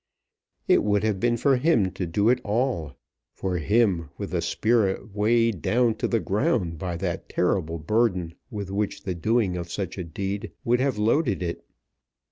It would have been for him to do it all; for him with a spirit weighed down to the ground by that terrible burden with which the doing of such a deed would have loaded it.